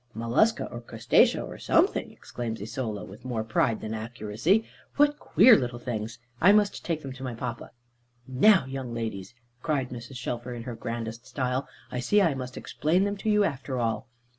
"Mollusca, or Crustacea, or something!" exclaims Isola, with more pride than accuracy, "what queer little things. I must take them to my papa." "Now, young ladies," cried Mrs. Shelfer in her grandest style, "I see I must explain them to you after all.